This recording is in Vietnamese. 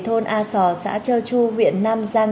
ông a sò xã chơ chu huyện nam giang